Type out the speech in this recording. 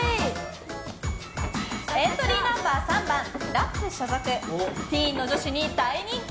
エントリーナンバー３番Ｌａｐ所属ティーンの女子に大人気。